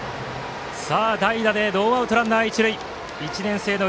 代打でノーアウトランナー、一塁。